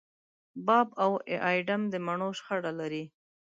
باب او اېډم د مڼو شخړه لري.